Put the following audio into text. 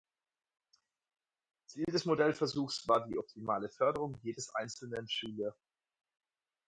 Ziel des Modellversuchs war die optimale Förderung jedes einzelnen Schüler.